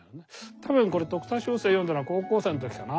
多分これ徳田秋声を読んだのは高校生の時かな。